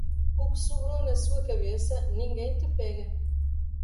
O que sobrou na sua cabeça, ninguém te pega.